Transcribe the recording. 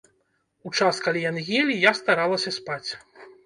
У час, калі яны елі, я старалася спаць.